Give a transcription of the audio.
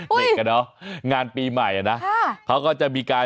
มึงได้อะไรล่ะ